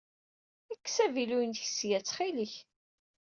Kkes avilu-inek ssya, ttxil-k.